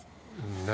何？